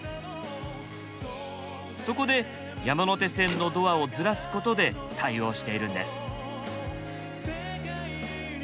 そこで山手線のドアをずらすことで対応しているんです。